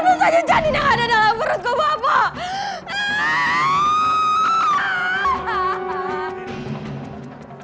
bunuh saja janin yang ada dalam perutku bapak